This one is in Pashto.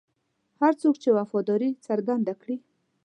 هر څوک چې وفاداري څرګنده کړي.